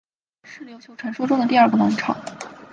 是琉球传说中第二个王朝。